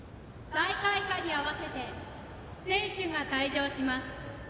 大会歌に合わせて選手が退場します。